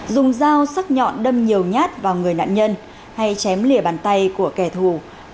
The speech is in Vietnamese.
dùng dao sắc nhọn đâm nhiều nhát vào người nạn nhân hay chém lìa bàn tay của kẻ thù